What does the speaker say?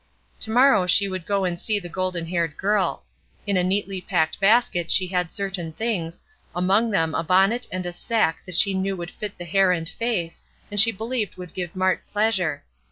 To morrow she would go and see the golden haired girl. In a neatly packed basket she had certain things, among them a bonnet and a sack that she knew would fit the hair and face, and she believed would give Mart pleasure.